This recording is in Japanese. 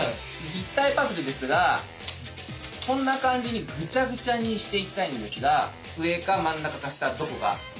立体パズルですがこんな感じにグチャグチャにしていきたいんですが上か真ん中か下どこがいいですか？